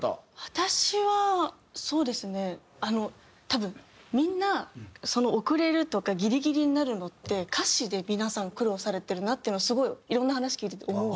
多分みんな遅れるとかギリギリになるのって歌詞で皆さん苦労されてるなっていうのはすごいいろんな話聞いてて思う。